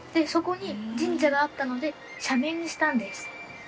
そこに神社があったので社名にしたんです。